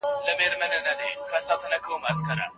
هغه د کمزورۍ او ناتوانۍ احساس کوي.